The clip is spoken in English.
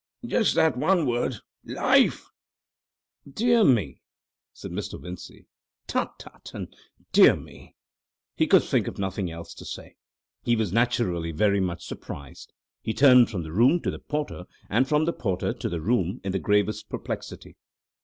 Just that one word, 'LIFE!'" "Dear me," said Mr. Vincey. "Tut, tut," and "Dear me!" He could think of nothing else to say. He was naturally very much surprised. He turned from the room to the porter and from the porter to the room in the gravest perplexity.